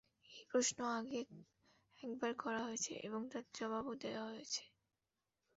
এই প্রশ্ন আগে একবার করা হয়েছে এবং তার জবাবও দেয়া হয়েছে।